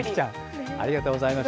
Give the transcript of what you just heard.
ありがとうございます。